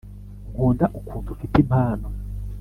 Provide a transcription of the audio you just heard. nkunda ukuntu ufite impano